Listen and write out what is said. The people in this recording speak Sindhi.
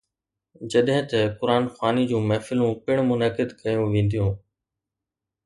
جڏهن ته قرآن خواني جون محفلون پڻ منعقد ڪيون وينديون.